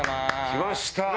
来ました！